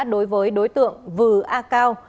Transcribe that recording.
đối với đối tượng vư a cao